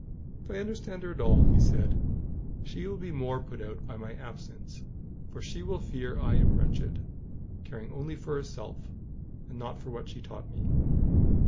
"If I understand her at all," he said, "she will be more put out by my absence; for she will fear I am wretched, caring only for herself, and not for what she taught me.